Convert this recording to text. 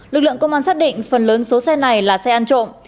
lực lượng công an xác định phần lớn số xe này là xe ăn trộm